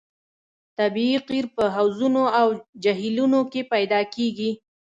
طبیعي قیر په حوضونو او جهیلونو کې پیدا کیږي